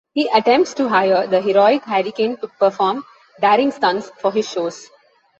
He attempts to hire the heroic Hurricane to perform daring stunts for his shows.